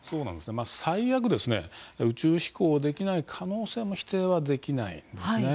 最悪、宇宙飛行できない可能性も否定できないんですね。